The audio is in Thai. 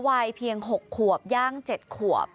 วัยเพียง๖ขวบย่าง๗ขวบ